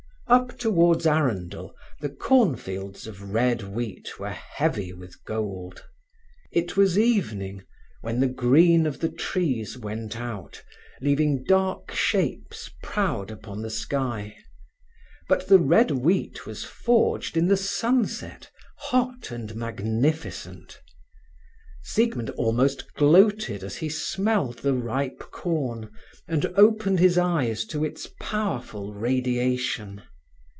Up towards Arundel the cornfields of red wheat were heavy with gold. It was evening, when the green of the trees went out, leaving dark shapes proud upon the sky; but the red wheat was forged in the sunset, hot and magnificent. Siegmund almost gloated as he smelled the ripe corn, and opened his eyes to its powerful radiation.